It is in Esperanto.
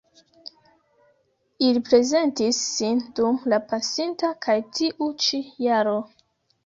Ili prezentis sin dum la pasinta kaj tiu ĉi jaro.